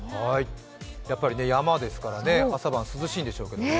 やっぱり山ですから朝晩涼しいんでしょうけどね。